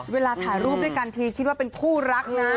เวลาถ่ายรูปด้วยกันทีคิดว่าเป็นคู่รักนะ